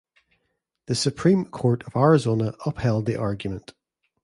The Supreme Court of Arizona upheld the argument.